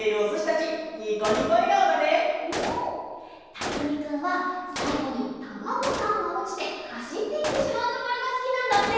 たくみくんはさいごにタマゴさんがおちてはしっていってしまうところがすきなんだって！